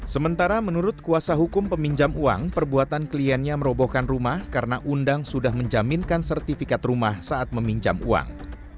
sementara menurut kuasa hukum peminjam uang perbuatan kliennya merobohkan rumah karena undang sudah menjaminkan sertifikat rumah saat meminjam uang